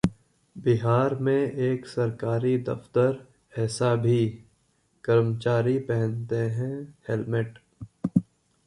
बिहार में एक सरकारी दफ्तर ऐसा भी, कर्मचारी पहनते हैं हेलमेट